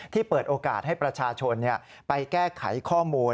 เปิดโอกาสให้ประชาชนไปแก้ไขข้อมูล